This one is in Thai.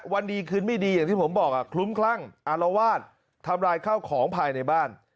วันดีคืนไม่ดีอย่างที่ผมบอกคลุ้มคลั่งอารวาสทำลายข้าวของภายในบ้าน